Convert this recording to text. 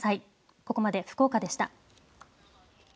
ここまで福岡でした。